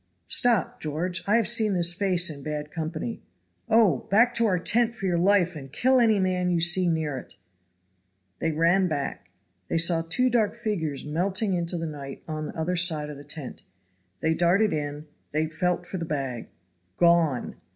"Stop, George, I have seen this face in bad company. Oh! back to our tent for your life, and kill any man you see near it!" They ran back. They saw two dark figures melting into the night on the other side the tent. They darted in they felt for the bag. Gone!